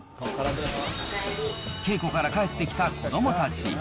稽古から帰ってきた子どもたち。